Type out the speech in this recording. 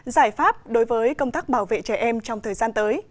giải pháp đối với công tác bảo vệ trẻ em trong thời gian tới